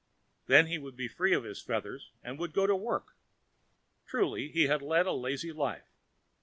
Then he would be free of his feathers and would go to work. Truly he had led a lazy life.